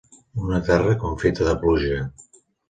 Una terra confita de pluja.